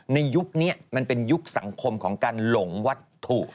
ยุคนี้มันเป็นยุคสังคมของการหลงวัตถุ